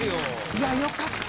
いやよかった。